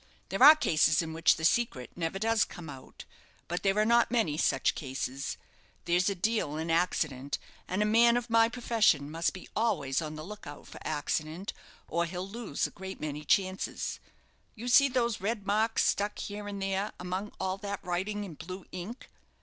There are cases in which the secret never does come out; but there are not many such cases. There's a deal in accident; and a man of my profession must be always on the look out for accident, or he'll lose a great many chances. You see those red marks stuck here and there, among all that writing in blue ink.